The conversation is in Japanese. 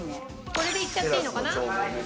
これで行っちゃっていいのかな？